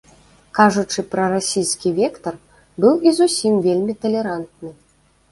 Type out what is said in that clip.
Кажучы пра расійскі вектар, быў і зусім вельмі талерантны.